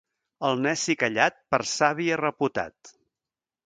El neci callat per savi és reputat.